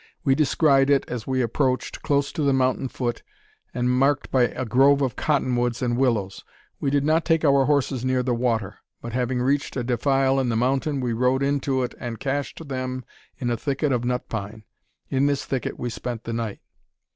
We descried it, as we approached, close in to the mountain foot, and marked by a grove of cotton woods and willows. We did not take our horses near the water; but, having reached a defile in the mountain, we rode into it, and "cached" them in a thicket of nut pine. In this thicket we spent the night.